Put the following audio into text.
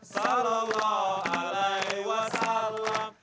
salam allah allah wasalam